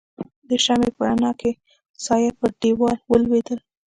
د شمعې په رڼا کې يې سایه پر دیوال ولوېدل.